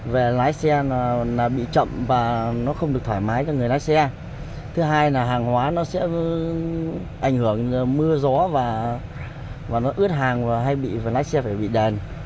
về lái xe là bị chậm và nó không được thoải mái cho người lái xe thứ hai là hàng hóa nó sẽ ảnh hưởng mưa gió và nó ướt hàng và hay bị lái xe phải bị đèn